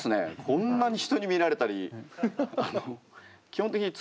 こんなに人に見られたり。